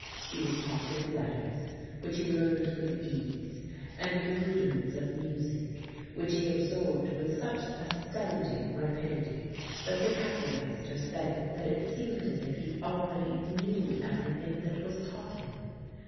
He was taught his letters, which he learnt with ease, and the rudiments of music, which he absorbed with such astounding rapidity, that the Kapellmeister said that it seemed as if he already knew everything that was taught him.